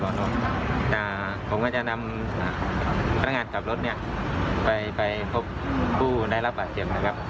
ผมก็จะนำพลังงานสับรถเนี่ยไปพบผู้ได้รับประเสริมนะครับ